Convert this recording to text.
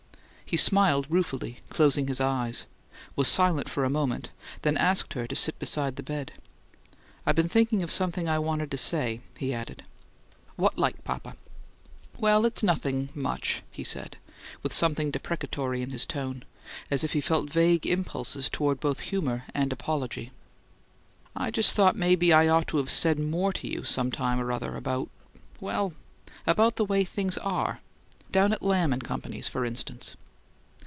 He smiled ruefully, closing his eyes; was silent for a moment, then asked her to sit beside the bed. "I been thinking of something I wanted to say," he added. "What like, papa?" "Well, it's nothing much," he said, with something deprecatory in his tone, as if he felt vague impulses toward both humour and apology. "I just thought maybe I ought to've said more to you some time or other about well, about the way things ARE, down at Lamb and Company's, for instance."